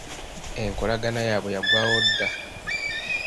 Enkolagana yaabwe yaggwawo dda.